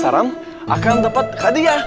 alamak apa tuh